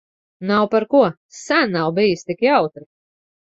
Nav par ko. Sen nav bijis tik jautri.